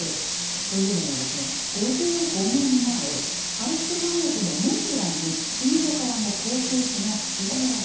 というのも、５５年前、アルプス山脈のモンブランにインドからの航空機が墜落。